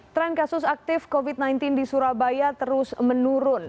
tren kasus aktif covid sembilan belas di surabaya terus menurun